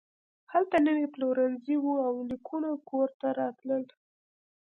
هلته نوي پلورنځي وو او لیکونه کور ته راتلل